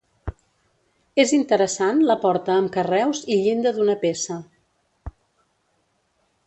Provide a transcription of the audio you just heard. És interessant la porta amb carreus i llinda d'una peça.